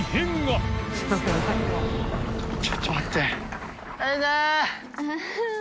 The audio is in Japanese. ▲蕁ちょっと待って。